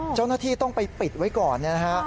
เจ้าหน้าที่ต้องไปปิดไว้ก่อนเนี่ยนะฮะ